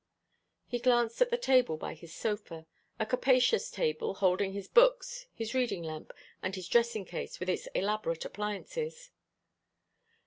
He glanced at the table by his sofa, a capacious table, holding his books, his reading lamp, and his dressing case with its elaborate appliances.